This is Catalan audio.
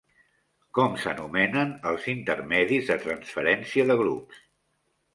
Com s'anomenen els intermedis de transferència de grups?